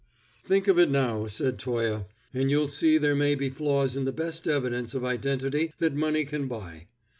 "Think of it now," said Toye, "and you'll see there may be flaws in the best evidence of identity that money can buy.